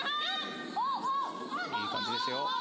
いい感じですよ。